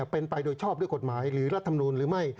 เป็นไปโดยชอบด้วยกฎหมายหรือรัฐมนูลหรือไม่